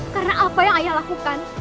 karena apa yang ayah lakukan